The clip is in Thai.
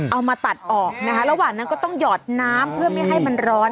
เอามาตัดออกนะคะระหว่างนั้นก็ต้องหยอดน้ำเพื่อไม่ให้มันร้อน